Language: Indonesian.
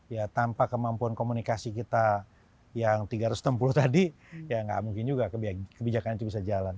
ya tanpa kemampuan komunikasi kita yang tiga ratus enam puluh tadi ya nggak mungkin juga kebijakan itu bisa jalan